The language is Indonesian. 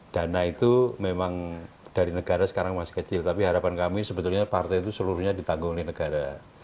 dana itu memang dari negara sekarang masih kecil tapi harapan kami sebetulnya partai itu seluruhnya ditanggung oleh negara